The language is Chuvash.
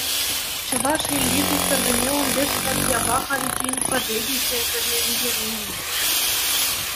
Чӑваш Енри тухтӑрсене ун пек статьяпа халиччен пӗрре те сехӗрлентермен.